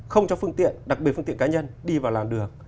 không cho phương tiện đặc biệt phương tiện cá nhân đi vào làn đường